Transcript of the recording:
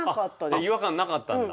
じゃあ違和感なかったんだ。